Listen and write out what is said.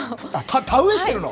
田植えしてるの？